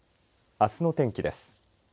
あすの天気です。